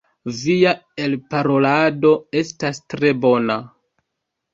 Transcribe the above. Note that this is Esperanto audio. Via elparolado estas tre bona.